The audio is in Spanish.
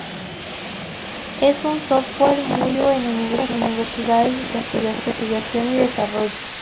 Es un software muy usado en universidades y centros de investigación y desarrollo.